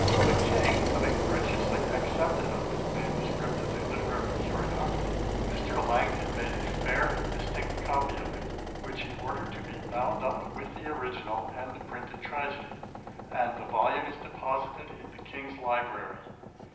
The King having graciously accepted of this manuscript as a literary curiosity, Mr. Langton made a fair and distinct copy of it, which he ordered to be bound up with the original and the printed tragedy; and the volume is deposited in the King's library.